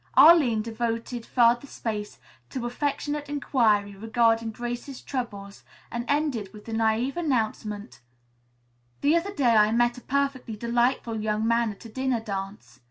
Arline devoted further space to affectionate inquiry regarding Grace's troubles and ended with the naïve announcement: "The other day I met a perfectly delightful young man at a dinner dance.